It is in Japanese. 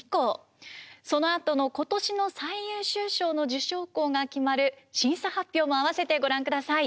そのあとの今年の最優秀賞の受賞校が決まる審査発表もあわせてご覧ください。